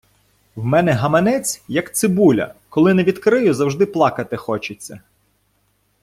В мене гаманець, як цибуля - коли не відкрию, завжди плакати хочеться.